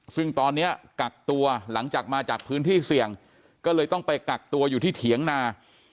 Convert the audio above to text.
ซึ่งตอนนี้กักตัวหลังจากมาจากพื้นที่เสี่ยงก็เลยต้องไปกักตัวอยู่ที่เถียงนา